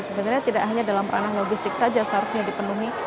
jadi sebenarnya tidak hanya dalam peranah logistik saja seharusnya dipenuhi